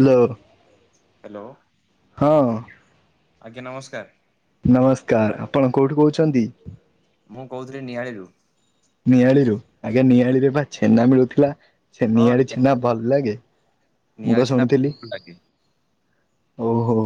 Hello. Hello. ହଁ। ଆଜ୍ଞା ନମସ୍କାର। ନମସ୍କାର ଆପଣ କୋଉଠୁ କହୁଚନ୍ତି। ମୁଁ କହୁଥିଲି ନିଆଳିରୁୁ। ନିଆଳିରୁୁ ଆଜ୍ଞା ନିଆଳିରେ ବା ଛେନା ମିଳୁଥିଲା ସେ ହଁ ନିଆଳି ନିଆ ଛେନା ଭଲ ଲାଗେ ମୁଁ ନିଆଳି ବା ଛେନା ବହୁତ ଶୁଣିଥିଲି ଭଲ ଲାଗେ। ଓଉ ହୋ।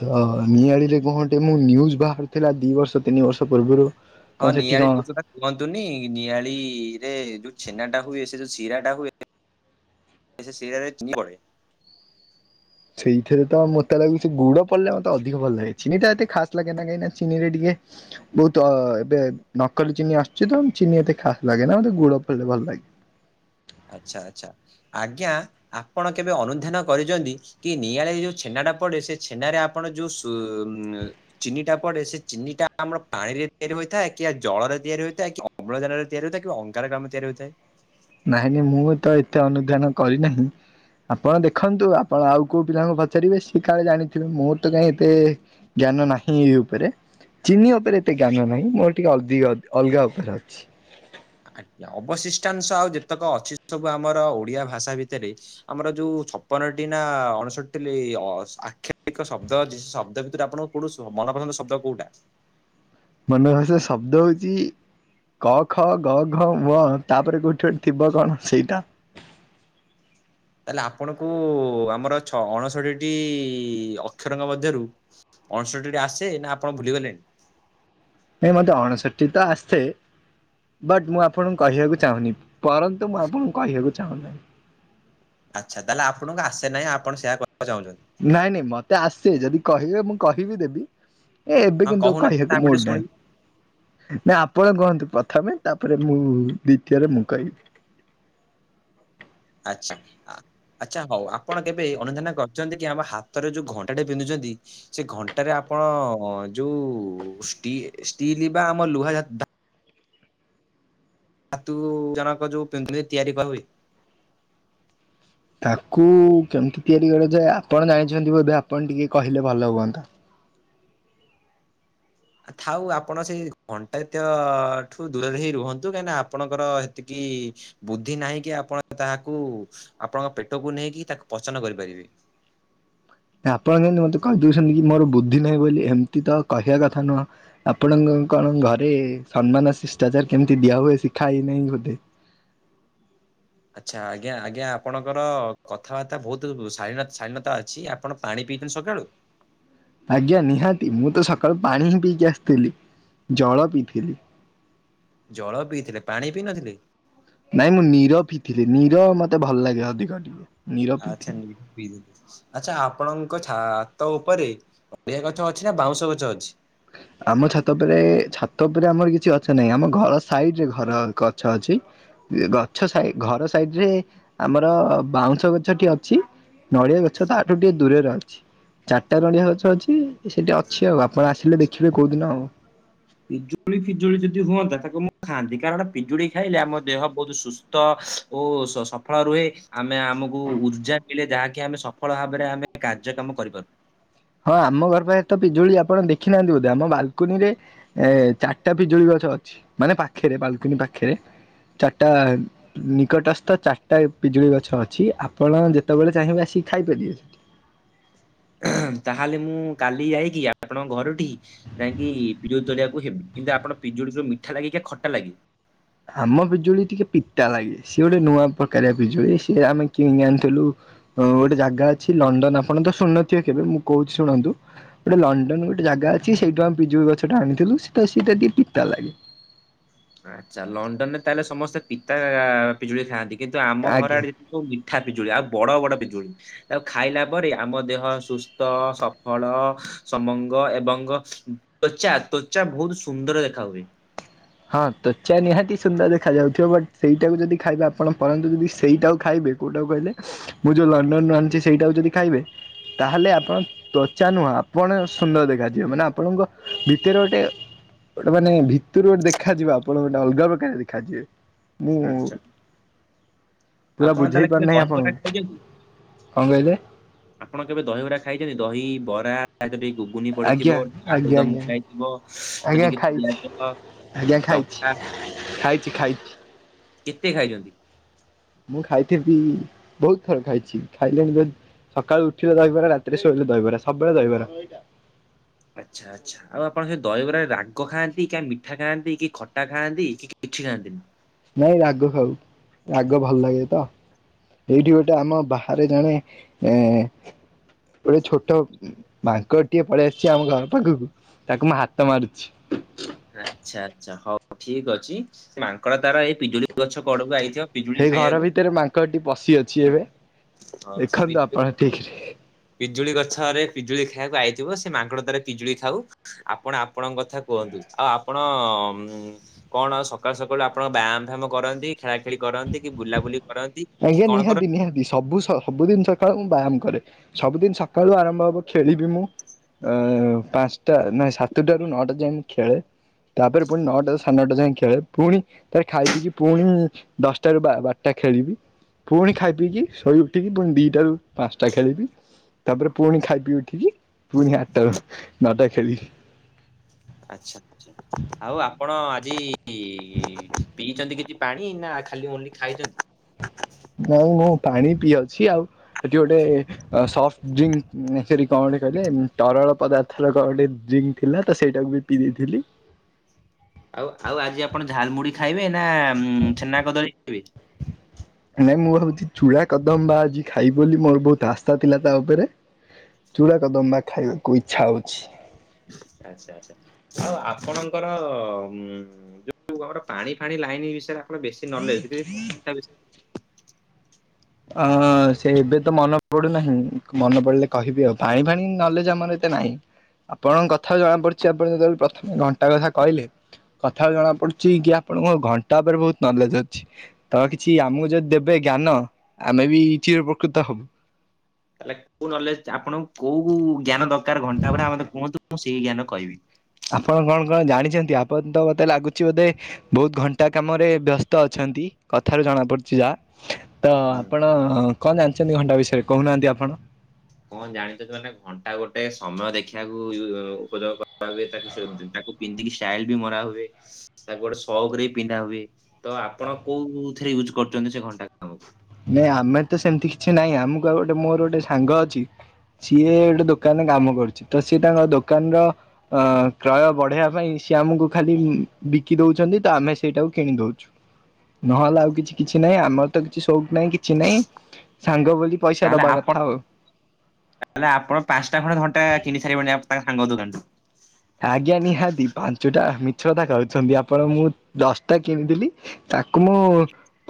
ତ ନିଆଳିରେ କଆଁ ଗୋଟେ ମୁଁ ନିୁଜ ବାହାରିଥିଲା ଦି ବର୍ଷ ତିନି ବର୍ଷ ପୂର୍ବରୁ କଣ ହଁ ସେଠି ନିଆଳି କଣ [unintelligible] କୁହନ୍ତୁନି ନିଆଳି ରେ ଯୋଉ ଛେନା ଟା ହୁଏ ସେ ଯୋଉ ଶିରା ଟା ହୁଏ ଏ ସିରାରେ ଚିନ ପଡ଼େ। ସେଇଥିରେ ତ ମୋତେ ଲାଗୁ ଚି ଗୁଡ ପଡିଲେ ମୋତେ ଅଧିକ ଭଲ ଲାଗେ ଚିନିଟା ଏତେ ଖାସ୍ ଲାଗେ କାହିଁି ନା ଚିନିରେ ଟିକେ ବହୁତ ଏବେ ନକଲି ଚିନି ଆସୁଛି ତ ଚିନି ଏତେ ଖାସ ଲାଗେ ନା ଗୁଡ ପଡିଲେ ଭଲ ଲାଗେ। ଅଛା ଆଚ୍ଛା ଆଜ୍ଞା ଆପଣ କେବେ ଅନୁଧ୍ୟାନ କରିଚନ୍ତି କି ନିଆଁରେ ଯୋଉ ଛେନା ଟା ପଡେ ସେ ଛେନାରେ ଆପଣ ଯୋଉ ଚିନିଟା ପରେ ସେ ଚିନିଟା ଆମର ପାଣି ରେ ତିଆରି ହୋଇଥାଏ କି ଜଳରେ ତିଆରି ହୋଇଥାଏ କି ଅମ୍ଳଜାନରେ ତିଆରି ହୋଇଥାଏ କି ଅଙ୍ଗାରକାମ୍ଳ ରେ ତିଆରି ହୋଇଥାଏ। ନାଇଁ ନାଇ ମୁଁ ତ ଏତେ ଅନୁଧ୍ୟାନ କରିନାହିଁ। ଆପଣ ଦେଖନ୍ତୁ ଆପଣ ଆଉ କୋଉ ପିଲାଙ୍କୁ ପଚାରିବେ ସିଏ କାଳେ ଜାଣିଥିବେ ମୋର ତ କାଇହିଁ ଏତେ ଜ୍ଞାନ ନାହିଁ ଏ ଉପରେ ଚିନି ଉପରେ ଏତେ ଜ୍ଞାନ ନାହିଁ ମୋର ଟିକେ ଅଧିକ ଅଲଗା ଉପରେ ଅଛି। ଆଜ୍ଞା ଅବଶିଷ୍ଟାଂଶ ଆଉ ଯେତେକ ଅଛି ସବୁ ଆମର ଓଡିଆ ଭାଷା ଭିତରେ ଆମର ଯୋଉ ଛପନଟି ନା ଅଣଷଠି ଆକ୍ଷିକ ଶବ୍ଦ ଶବ୍ଦ ଭିତରେ ଆପଣ କୋଉୁ ମନପସନ୍ଦ ଶବ୍ଦ କୋଉଟା? ମନ ପସ ଶବ୍ଦ ହଉଚି କ ଖ ଗ ଘ ଙ ତାପରେ କୋଠି ଗୋଠେ ଥିବ କଣ ସେଇଟା ତାହେଲେ ଆପଣଙ୍କୁ ଆମର ଛ ଅଣଷଠିଟି ଅକ୍ଷରଙ୍କ ମଧ୍ୟରୁ ଅଣଷଠିଟି ଆସେ ନା ଆପଣ ଭୁଲିଗଲେଣି। ନାଇଁ ମତେ ଅଣଷଠି ତ ଆସ୍‌ଥେ। ବଟ୍ ମୁଁ ଆପଣଙ୍କୁ କହିବାକୁ ଚାହୁଁନି ପରନ୍ତୁ ମୁଁ ଆପଣଙ୍କୁ କହିବାକୁ ଚାହୁଁ ନାହିଁ। ଆଚ୍ଛା ତାହେଲେ ଆପଣଙ୍କୁ ଆସେ ନାହିଁ ଆପଣ ସେଆ କହିବାକୁ ଚାହୁଁଚନ୍ତି। ନାଇଁ ନାଇଁ ମତେ ଆସେ ଯଦି କହିବେ ମୁଁ କହିବି ଦେବି। ଏବେ ହଁ କିନ୍ତୁ କହୁନାହାନ୍ତି କହିବାକୁ ଆମେ ମୁଁ ଟିକେ ଓଲ୍ଟା। ଶୁଣିବୁ। ନା ଆପଣ କୁହନ୍ତୁ ପ୍ରଥମେ ତାପରେ ମୁଁ ଦ୍ଵିତୀୟରେ ମୁଁ କହିବି। ଆଚଛା ଆ ଆଚ୍ଛା ହଉ ଆପଣ କେବେ ଅନୁଧାନ କରିଚନ୍ତି କି ଆମ ହାତରେ ଯୋଉ ଘଣ୍ଟାଟେ ପିନ୍ଧୁଚନ୍ତି ସେ ଘଣ୍ଟାରେ ଆପଣ ଯୋଉ ଷ୍ଟି ଷ୍ଟିଲି ବା ଆମ ଲୁହା ଜାତୀ ଧା ଧାତୁ ଜଣକ ଯୋଉ ପିନ୍ଧିଲେ ତିଆରି କହିହୁଏ। ତାଙ୍କୁ କେମିତି ତିଆରି କରାଯାଏ ଆପଣ ଜାଣିଚନ୍ତି ବୋଧେ ଆପଣ ଟିକେ କହିଲେ ଭଲ ହୁଅନ୍ତା। ଥାଉ ଆପଣ ସେଇ ଘଣ୍ଟା ଯାତୀୟ ଠୁ ଦୂରରେ ହେଇ ରୁହନ୍ତୁ କାହିଁକି ନା ଆପଣଙ୍କର ସେତିକି ବୁଦ୍ଧି ନାହିଁକି ଆପଣ ତାହାକୁ ଆପଣଙ୍କ ପେଟକୁ ନେଇକି ତାକୁ ପଚନ କରିପାରିବେ। ଆପଣ କେମତି ମତେ କହି ଦଉଚନ୍ତି କି ମୋର ବୁଦ୍ଧି ନାହିଁ ବୋଲି ଏମିତି ତ କହିବା କଥା ନୁହଁ। ଆପଣଙ୍କ କଣ ଘରେ ସମ୍ମାନ ଶିଷ୍ଟାଚାର କେମିତି ଦିଆ ହୁଏ ଶିଖା ହେଇନାହିଁ ବୋଧେ। ଆଚ୍ଛା ଆଜ୍ଞା ଆଜ୍ଞା ଆପଣଙ୍କର କଥାବାର୍ତ୍ତା ବହୁତ୍ ଶାଳୀନତ ଶାଳୀନତା ଅଛି ଆପଣ ପାଣି ପିଚନ୍ତି ସକାଳୁ। ଆଜ୍ଞା ନିହାତି ମୁଁ ତ ସକାଳୁ ପାଣି ହିଁ ପିଇକି ଆସିଥିଲି ଜଳ ପିଇଥିଲି। ଜଳ ପିଇଥିଲେ ପାଣି ପିଇ ନଥିଲେ। ନାଇଁ ମୁଁ ନିର ପିଥିଲି ନିର ମତେ ଭଲ ଲାଗେ ଅଧିକ ଟିକେ। ନୀର ଆଛା ପିଇଥିଲି। ନିର ପିଥିଲେ। ଆଚ୍ଛା ଆପଣଙ୍କ ଛାତ ଉପରେ ପପେଆ ଗଛ ଅଛି ନା ବାଉଁଶ ଗଛ ଅଛି। ଆମ ଛାତ ଉପରେ ଛାତ ଉପରେ ଆମର କିଛି ଗଛ ନାହିଁ ଆମ ଘର ସାଇଡ୍‌ରେ ଘର ଗଛ ଅଛି। ଗଛ ସାଇ ଘର ସାଇଡ୍‌ ରେ ଆମର ବାଉଁଶ ଗଛଟି ଅଛି। ନଡିଆ ଗଛ ତ ଆଠୁ ଟିକେ ଦୂରରେ ଅଛି ଚାରିଟା ନଡିଆ ଗଛ ଅଛି ସେଠି ଅଛି ଆଉ ଆପଣ ଆସେ ଆସିଲେ ଦେଖିବେ କୋଉଦିନ ଆଉ। ପିଜୁଳି ଫିଜୁଳି ଯଦି ହୁଅନ୍ତା ତାକୁ ମୁଁ ଖାଆନ୍ତି କାରଣ ପିଜୁଳି ଖାଇଲେ ଆମ ଦେହ ବହୁତ ସୁ ତ ଓ ସଫଳ ରୁହେ ଆମେ ଆମକୁ ଉର୍ଜା କିଲେ ଯାହାକି ଆମେ ସଫଳ ଭାବରେ ଆମେ କାର୍ଯ୍ୟକ୍ରମ କରିପାରୁ। ହଁ ଆମ ଘର ପାଖେରେ ତ ପିଜୁଳି ଆପଣ ଦେଖି ନାହାନ୍ତି ବୋଧେ ଆମ ବାଲ୍ କୁନିରେ ଏ ଚାର୍ ଟା ପିଜୁଳି ଗଛ ଅଛି ମାନେ ପାଖେରେ ବାଲ୍ କୁନି ପାଖେରେ ଚାରିଟା। ନିକଟସ୍ଥ ଚାରିଟା ପିଜୁଳି ଗଛ ଅଛି ଆପଣ ଯେତେବେଳେ ଚାହିଁବେ ଆସିକି ଖାଇପାରିବେ। ତାହେଲେ ମୁଁ କାଲି ଯାଇକି ଆପଣଙ୍କ ଘରଟି ଯାଇଁକି ପିଜୁଳି ତଳିବାକୁ ହେବି କିନ୍ତୁ ଆପଣ ପିଜୁଡି ତ ମିଠା ଲାଗେ କି ଖଟା ଲାଗେ। ଆମ ପିଜୁଳି ଟିକେ ପିତା ଲାଗେ ସିଏ ଗୋଟେ ନୂଆ ପ୍ରକାରିଆ ପିଜୁଳି ସିଏ ଆମେ କିଣି ଆଣିଥିଲୁ। ହଁ ଗୋଟେ ଜାଗା ଅଛି ଲଣ୍ଡନ ଆପଣ ତ ଶୁଣୁନଥିବେ କେବେ ମୁଁ କହୁଛି ଶୁଣନ୍ତୁ। ଗୋଟେ ଲଣ୍ଡନ ଗୋଟେ ଜାଗା ଅଛି ସେଇଠୁ ଆମେ ପିଜୁଳି ଗଛଟା ଆଣିଥିଲୁ ସେଟା ସେଟା ଟିକେ ପିତା ଲାଗେ। ଆଚ୍ଛା ଲଣ୍ଡନ ରେ ତାହେଲେ ସମସ୍ତେ ପିତା ପିଜୁଳି ଖାଆନ୍ତି କିନ୍ତୁ ଆମ ଘର ଆଜ୍ଞା ଆଡେ ଯଦି ସବୁ ମିଠା ପିଜୁଳି ଆଉ ବଡ ବଡ ପିଜୁଳି। ଆଉ ଖାଇଲା ପରେ ଆମ ଦେହ ସୁସ୍ଥ ସଫଳ ସମଙ୍ଗ ଏବଂଙ୍ଗ ତ୍ୱଚା ତ୍ୱଚା ବହୁତ ସୁନ୍ଦର ଦେଖା ହୁଏ। ହଁ ତ୍ୱଚା ନିହାତି ସୁନ୍ଦର ଦେଖା ଯାଉଥିବ ବଟ୍ ସେଇଟାକୁ ଯଦି ଖାଇବେ ଆପଣ ପରନ୍ତୁ ଯଦି ସେଇଟାକୁ ଖାଇବେ କୋଉଟାକୁ କହିଲେ ମୁଁ ଯେଉଁ ଲଣ୍ଡନରୁ ଆଣିଛି ସେଇଟାକୁ ଯଦି ଖାଇବେ ତାହେଲେ ଆପଣ ତ୍ୱଚା ନୁହଁ ଆପଣ ସୁନ୍ଦର ଦେଖାଯିବ ମାନେ ଆପଣଙ୍କ ଭିତରେ ଗୋଟେ ଗୋଟେ ମାନେ ଭିତରୁ ଗୋଟେ ଦେଖାଯିବ ଆପଣ ଗୋଟେ ଅଲଗା ପ୍ରକାର ଦେଖାଯିବେ। ମୁଁ ଆଚ୍ଛା ପୁରା ଆପଣ ବୁଝେଇ ତାହେଲେ କେବେ ପାରୁନାହିଁ ଦହିବରା ଆପଣଙ୍କୁ। ଖାଇଛନ୍ତି? କଣ କହିଲେ। ଆପଣ କେବେ ଦହି ବରା ଖାଇଛନ୍ତି ଦହି ବରା [unintelligible] ଗୁନି ଆଜ୍ଞା ପଡିଥିବ ଆଜ୍ଞା ଆଳୁଦମ ଆଜ୍ଞା ମଟା ହେଇଥିବ ସେ ଆଜ୍ଞା ଟିକେ ଖାଇଛି ପିଆଜ ଆଜ୍ଞା ଖାଇଛି ଲଙ୍କା ଖାଇଛି ଖାଇଛି। କେତେ ଖାଇଛନ୍ତି? ମୁଁ ଖାଇଥିବି ବହୁତ ଥର ଖାଇଛି ଖାଇଲାଣି ଯ ସକାଳୁ ଉଠିଲେ ଦହିବାର ରାତିରେ ଶୋଇଲେ ଦହିବାର ସବୁବେଳେ ଦହିବାର। ଆଚ୍ଛା। ଆଛା ଆଉ ଆପଣ ସେ ଦହିବରାରେ ରାଗ ଖାଆନ୍ତି କି ମିଠା ଖାଆନ୍ତି କି ଖଟା ଖାଆନ୍ତି କି କିଛି ଖାଆନ୍ତିନି? ନାଇଁ ରାଗ ଖାଉ ରାଗ ଭଲ ଲାଗେ ତ। ଏଇଠି ଗୋଟେ ଆମ ବାହାରେ ଜଣେ ଏ ଗୋଟେ ଛୋଟ ମାଙ୍କଡ଼ ଟିକେ ପଳେଇଆସିଛି ଆମ ଘର ପାଖକୁ ତାକୁ ମୁଁ ହାତ ମାରୁଛି। ଆଛା ଆଚ୍ଛା ହଉ ଠିକ ଅଛି ମାଙ୍କଡ଼ ତାର ଏଇ ପିଜୁଳି ଗଛ କଡକୁ ଆଇଥିବ ପିଜୁଳି ହେଇ ଘର ଖାଇବାକୁ ଭିତରେ ମାଙ୍କଟି ପଶି ଅଛି ଏବେ। ହଁ ସେ ଦେଖନ୍ତୁ ପିଜୁ ଆପଣ ଠିକ ରେ। ପିଜୁଳି ଗଛରେ ପିଜୁଳି ଖାଇବାକୁ ଆଇଥିବ ସେ ମାଙ୍କଡ଼ ତାରେ ପିଜୁଳି ଖାଉ। ଆପଣ ଆପଣଙ୍କ କଥା କୁହନ୍ତୁ। ଆଉ ଆପଣ କଣ ସକାଳୁ ସକାଳୁ ଆପଣ ବ୍ୟାୟାମ ଫ୍ୟାମ କରନ୍ତି? ଖେଳା ଖେଳି କରନ୍ତି କି ବୁଲାବୁଲି କରନ୍ତି? କି ଆଜ୍ଞା କଣ ନିହାତି କରନ୍ତି ନିହାତି ସବୁ ସ ସବୁଦିନ ସକାଳୁ ମୁଁ ବ୍ୟାୟାମ କରେ ସବୁଦିନ ସକାଳୁ ଆରମ୍ଭ ହବ ଖେଳିବି ମୁଁ ଏ ପାଞ୍ଚଟା ନାଇ ସାତଟାରୁ ନଅଟା ଯାଏ ମୁଁ ଖେଳେ। ତାପରେ ପୁଣି ନଅଟା ସାଢେ ନଅଟା ଯଏଁ ଖେଳେ ପୁଣି ତାରେ ଖାଇ ପିଇକି ପୁଣି ଦଶଟା ରୁ ବାରଟା ଖେଳିବି। ପୁଣି ଖାଇ ପିଇ କିି ଶୋଇ ଉଠିକି ପୁଣି ଦିଟା ର ପାଞ୍ଚଟା ଖେଳିବି। ତାପରେ ପୁଣି ଖାଇ ପିଇ ଉଠିକି ପୁଣି ଆଠଟା ରୁ ନଅଟା ଖେଳିବି। ଆଛା ଆଉ ଆପଣ ଆଜି ପିଇଛନ୍ତି କିଛି ପାଣି ନା ଖାଲି ଓନ୍ଲି ଖାଇଛନ୍ତି? ନାଇଁ ମୁଁ ପାଣି ପିଇଅଛି ଆଉ ସେଠି ଗୋଟେ ସଫ୍ଟ ଡ୍ରିଙ୍କ ସରି କଣ ଗଟେ କହିଲେ ତରଳ ପଦାର୍ଥର କ ଗୋଟେ ଡ୍ରିଙ୍କ୍ ଥିଲା ତ ସେଇଟାକୁ ବି ପିଇ ଦେଇଥିଲି। ଆଉ ଆଉ ଆଜି ଆପଣ ଝାଲ ମୁୁଢି ଖାଇବେ ନା ଛେନା କଦଳୀ ଖାଇବେ? ନାଇଁ ମୁଁ ଭାବଛି ଚୂଡ଼ା କଦମ୍ବା ଆଜି ଖାଇବି ବୋଲି ମୋର ବହୁତ ଆସ୍ଥା ଥିଲା ତା ଉପରେ। ଚୂଡ଼ା କଦମ୍ବା ଖାଇବାକୁ ଇଚ୍ଛା ହେଉଛି। ଆଚ୍ଛା ଆଚ୍ଛା। ଆଉ ଆପଣଙ୍କର ଉ ଯୋଉ ଆମର ପାଣି ଫାଣି ଲାଇନ ବିଷୟରେ ବେଶୀ ନଲେଜ ଯଦି ତା ବିସ ଅ ଅ ସେ ଏବେ ତ ମନେ ପଡୁନାହିଁ ମନେ ପଡିଲେ କହିବି ଆଉ। ପାଣି ଫାଣି ନଲେଜ ଆମର ଏତେ ନାହିଁ। ଆପଣଙ୍କ କଥାରୁ ଜଣାପଡିଛି ଆପଣ ଯେତେବେଳେ ପ୍ରଥମେ ଘଣ୍ଟା କଥା କହିଲେ। କଥାରୁ ଜଣା ପଡ଼ୁଛି କି ଆପଣଙ୍କ ଘଣ୍ଟା ଉପରେ ବହୁତ ନଲେଜ ଅଛି। ତ କିଛି ଆମକୁ ଯଦି ଦେବେ ଜ୍ଞାନ ଆମେ ବି ଚିରୋଉପକୃତ ହେବୁ। ତାହେଲେ କୋଉ ନଲେଜ ଆପଣଙ୍କୁ କୋଉ ଜ୍ଞାନ ଦରକାର ଘଣ୍ଟା ଉପରେ ମତେ କୁହନ୍ତୁ ମୁଁ ସେଇ ଜ୍ଞାନ କହିବି। ଆପଣ କଣ କଣ ଜାଣିଛନ୍ତି ଆପଣ ତ ମତେ ଲାଗୁଛି ବୋଧେ ବହୁତ ଘଣ୍ଟା କାମରେ ବ୍ୟସ୍ତ ଅଛନ୍ତି କଥାରୁ ଜଣା ପଡିୁଛି ଯା। ତ ହୁଁ ଆପଣ କଣ ଜାଣିଛନ୍ତି ଘଣ୍ଟା ବିଷୟରେ କହୁନାହାନ୍ତି ଆପଣ? କଣ ଜାଣିଛନ୍ତି ମାନେ ଘଣ୍ଟା ଗୋଟେ ସମୟ ଦେଖିବାକୁ ଉପଯୋଗ କରିବାକୁ ତାକୁ [unintelligible] ପିନ୍ଧିକି ଷ୍ଟାଇଲ ବି ମରା ହୁଏ। ତାକୁ ଗୋଟେ ସଉକରେ ପିନ୍ଧା ହୁଏ। ତ ଆପଣ କୋଉଥିରେ ୟୁଜ୍ କରୁଛନ୍ତି ସେ ଘଣ୍ଟାକୁ? ନାଇଁ ଆମେ ତ ସେମିତି କିଛି ନାହିଁ ଆମକୁ ଆଉ ଗୋଟେ ମୋର ଗୋଟେ ସାଙ୍ଗ ଅଛି। ସିଏ ଗୋଟେ ଦୋକାନରେ କାମ କରୁଛି ତ ସିଏ ତାଙ୍କ ଦୋକାନ ର ଅ କ୍ରୟ ବଢେଇବା ପାଇଁ ସିଏ ଆମକୁ ଖାଲି ବିକି ଦଉଛନ୍ତି ତ ଆମେ ସେଇଟାକୁ କିଣି ଦଉଛୁ। ନହେଲେ ଆଉ କିଛି କିଛି ନାହିଁ ଆମର ତ କିଛି ସୁ ସଉକ ନାହିଁ କିଛି ନାହିଁ ସାଙ୍ଗ ବୋଲି ପଇସା ତାହେଲେ ଦବା ଆପଣ କଥା ଆଉ। ତାହେଲେ ଆପଣ ପାଞ୍ଚଟା ଖଣ୍ଡେ ଘଣ୍ଟା କିଣିି ସାରିବେଣି ଆପଣଙ୍କ ସାଙ୍ଗ ଦୋକାନଠୁ? ଆଜ୍ଞା ନିହାତି ପାଞ୍ଚଟା ମିଛକଥା କହୁଛନ୍ତି ଆପଣ ମୁଁ ଦଶଟା କିଣିଥିଲି ତାକୁ ମୁଁ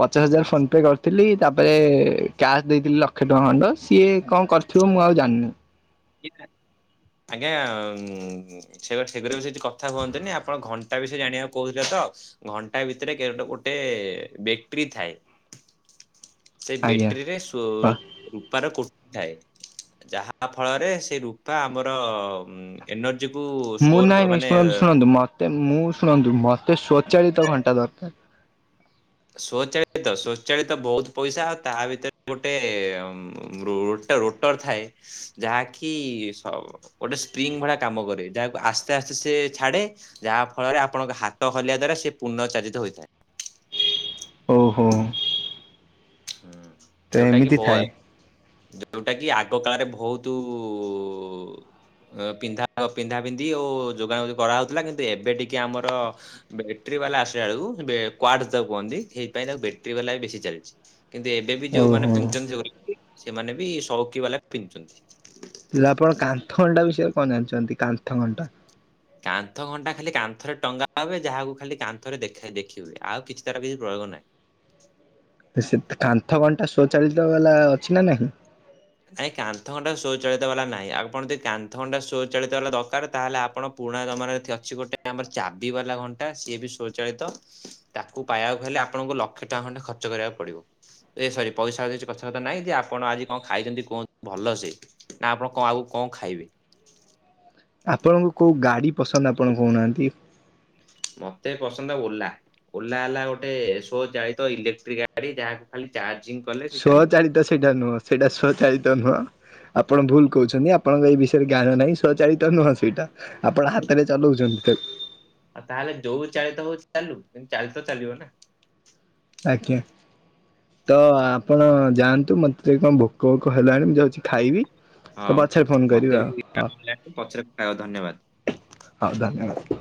ପଚାଶ ହଜାର ଫୋନ ପେ କରିଥିଲି ତାପରେ କ୍ୟାସ୍ ଦେଇଥିଲି ଲକ୍ଷେ ଟଙ୍କା ଖଣ୍ଡ ସିଏ କଣ କରି ଥିବ ମୁଁ ଆଉ ଜାଣିନି। ଆଜ୍ଞା ସେଗୁରା ସେଗୁରା ବେଶି କଥା ହୁଅନ୍ତିନି ଆପଣ ଘଣ୍ଟା ବିଷୟରେ ଜାଣିବାକୁ କହୁଛତ ଘଣ୍ଟା ଭିତରେ ଗେ ଗୋଟେ ବେଟରୀ ଥାଏ। ସେ ଆଜ୍ଞା। ବେଟେରୀରେ ସୋ ରୂପାର କୋଟିଂ ଥାଏ ଯାହା ଫଳରେ ସେ ରୂପା ଆମର ଏନର୍ଜିକୁ ଷ୍ଟୋର ମାନେ ତ ମୁଁ ଶୁଣନ୍ତୁ ମତେ ସ୍ଵଚାଳିତ ଘଣ୍ଟା ଦରକାର। ସ୍ଵଚାଳିତ ସ୍ଵଚାଳିତ ବହୁତ ପଇସା ଆଉ ତା ଭିତରେ ଗୋଟେ ରୋଟା ରୋଟର ଥାଏ ଯାହାକି ସ ଗୋଟେ ସ୍ପ୍ରିଙ୍ଗ ଭଳିଆ କାମ କରେ ଯାହାକୁ ଆସ୍ତେ ଆସ୍ତେ ସେ ଛାଡେ ଯାହା ଫଳରେ ଆପଣଙ୍କ ହାତ ହଲିବା ଦ୍ଵାରା ସେ ପୁନଃଚାଳିତ ହୋଇଥାଏ। ଓହୋ। ତ ଯୋଉଟା କି ଏମିତି ଥାଏ ବୋଲ୍ ଯୋଉଟାକିି ଆଗ କାଳରେ ବହୁତୁ ପିନ୍ଧା ପିନ୍ଧା ପିନ୍ଧି ଓ ଯୋଗାଣ କରାହଉଥିଲା କିନ୍ତୁ ଏବେ ଟିକେ ଆମର ବେଟେରୀ ବାଲା ଆସିଲା ବେଳକୁ କ୍କ୍ୱାଡ ତାକୁ କୁହନ୍ତି ସେଇ ପାଇଁ ତା ବେ ଟେରୀ ବେଲା ଏବେ ବେଶୀ ଚାଲିଛି କିନ୍ତୁ ଏବେ ବି ଯୋଉମାନେ ଓହୋ। ପିନ୍ଧୁଛନ୍ତି ସେମାନେ ବି ସଉକି ବାଲା ପିନ୍ଧୁଛନ୍ତି। ହେଲେ ଆପଣ କାନ୍ଥଘଣ୍ଟା ବିଷୟରେ କଣ ଜାଣିଛନ୍ତି କାନ୍ଥଘଣ୍ଟା? କାନ୍ଥ ଘଣ୍ଟା ଖାଲି କାନ୍ଥରେ ଟଙ୍ଗା ହୁଏ ଯାହାକୁ ଖାଲି କାନ୍ଥରେ ଦେଖ ଦେଖି ହୁଏ ଆଉ କିଛି ତାର କିଛି ପ୍ରୟୋଗ ନାହିଁ। ସେ କାନ୍ଥ ଘଣ୍ଟା ସ୍ୱଚାଳିତ ବାଲା ଅଛି ନା ନାହିଁ? ନାଇଁ କାନ୍ଥ ଘଣ୍ଟା ସ୍ୱଚାଳିତ ବାଲା ନାହିଁ ଆପଣ ଯଦି କାନ୍ଥ ଘଣ୍ଟା ସ୍ଵଚାଳିତ ବାଲା ଦରକାର ତାହେଲେ ଆପଣ ପୁରୁଣା ଜମାନାରେ ଅଛି ଗୋଟେ ଆମର ଚାବି ବାଲା ଘଣ୍ଟା ସିଏ ବି ସ୍ଵଚାଳିତ ତାକୁ ପାଇବାକୁ ହେଲେ ଆପଣଙ୍କୁ ଲକ୍ଷେ ଟଙ୍କା ଖଣ୍ଡେ ଖର୍ଚ୍ଚ କରିବାକୁ ପଡିବ। ଏ ସରି ପଇସା କିଛି କଥାବାର୍ତ୍ତା ନାହିଁ ଯେ ଆପଣ ଆଜି କଣ ଖାଇଛନ୍ତି କୁହନ୍ତୁ ଭଲ ସେ ନା ଆପଣ କଣ ଆଗକୁ କଣ ଖାଇବେ? ଆପଣଙ୍କୁ କୋଉ ଗାଡ଼ି ପସନ୍ଦ ଆପଣ କହୁନାହାନ୍ତି? ମତେ ପସନ୍ଦ ଓଲା। ଓଲା ହେଲା ଗୋଟେ ଏସୋ ଚାଳିତ ଇଲେକ୍ଟ୍ରିକ ଗାଡି ଯାହାକୁ ଖାଲି ଚାର୍ଜିଂ କଲେ ସେ ଚାଲିବ। ସ୍ୱଚାଳିତ ସେଇଟା ନୁହଁ ସେଇଟା ସ୍ଵଚାଳିତ ନୁହଁ ଆପଣ ଭୁଲ କହୁଛନ୍ତି ଆପଣଙ୍କ ଏଇ ବିଷୟରେ ଜ୍ଞାନ ନାହିଁ ସଚାଳିତ ନୁହଁ ସେଇଟା ଆପଣ ହାତରେ ଚଲଉଛନ୍ତି ତ ଆଉ ତାହେଲେ ଯୋଉ ଚାଳିତ ହଉଛି ଚାଲୁ ଚାଳିତ ଚାଲିବ ନା? ଆଜ୍ଞା ତ ଆପଣ ଯାଆନ୍ତୁ ମତେ ସେ କଣ ଭୋକ ଭୋକ ହେଲାଣି ମୁଁ ଯାଉଛି ଖାଇବି। ହଁ ତ ପଛରେ ଫୋନ କରିବି ମତେ ଆଉ ବି ପଚରେ ଧନ୍ୟବାଦ। ହଁ ଧନ୍ୟବାଦ।